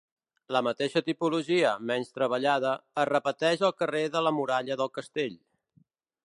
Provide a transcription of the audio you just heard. La mateixa tipologia, menys treballada, es repeteix al carrer de la Muralla del Castell.